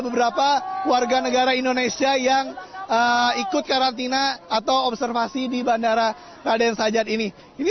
beberapa warga negara indonesia yang ikut karantina atau observasi di bandara raden sajat ini